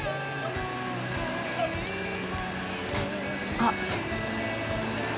あっ。